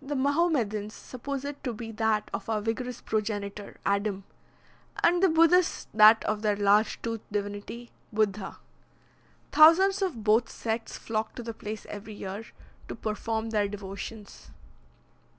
The Mahomedans suppose it to be that of our vigorous progenitor, Adam, and the Buddhists that of their large toothed divinity, Buddha. Thousands of both sects flock to the place every year, to perform their devotions.